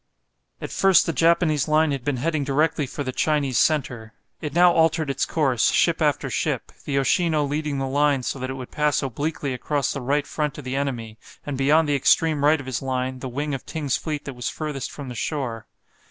At first the Japanese line had been heading directly for the Chinese centre. It now altered its course, ship after ship, the "Yoshino" leading the line so that it would pass obliquely across the right front of the enemy, and beyond the extreme right of his line, the wing of Ting's fleet that was furthest from the shore.